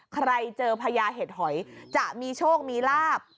ใครเจอพญาเห็ดหอยจะมีโชคมีลาบ